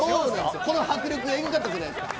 この迫力がえぐかったじゃないですか。